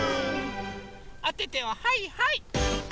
おててをはいはい！